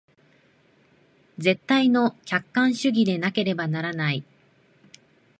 絶対の客観主義でなければならない。